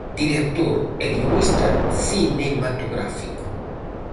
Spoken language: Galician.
Director e guionista cinematográfico.